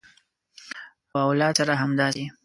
او اولاد سره همداسې